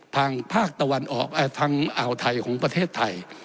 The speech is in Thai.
ทางภาคตะวันออกทางอ่าวไทยของประเทศไทย